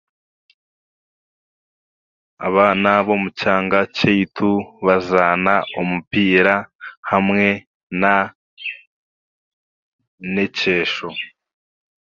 Abaana b'omukyanga kyaitu bazaana omupiira hamwe na n'ekyesho.